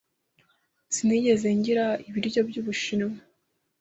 Sinigeze ngira ibiryo by'Ubushinwa.